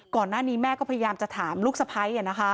ก่อนหน้านี้แม่ก็พยายามจะถามลูกสะพ้าย